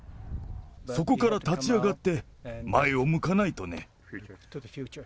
そこから立ち上がって前を向かないとね。